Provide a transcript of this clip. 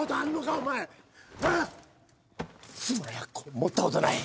「妻や子を持ったことない。